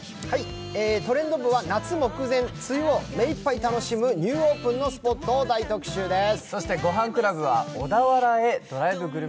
「トレンド部」は夏目前、梅雨を目いっぱい楽しむニューオープンのスポットを大特集です。